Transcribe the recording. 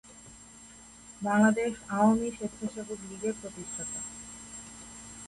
বাংলাদেশ আওয়ামী স্বেচ্ছাসেবক লীগের প্রতিষ্ঠাতা।